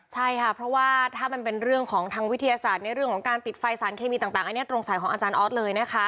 ใช่ค่ะเพราะว่าถ้ามันเป็นเรื่องของทางวิทยาศาสตร์ในเรื่องของการติดไฟสารเคมีต่างอันนี้ตรงสายของอาจารย์ออสเลยนะคะ